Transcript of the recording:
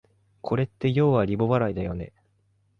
これってようはリボ払いだよね